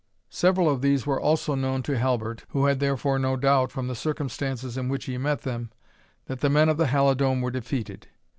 Several of these were also known to Halbert, who had therefore no doubt, from the circumstances in which he met them, that the men of the Halidome were defeated.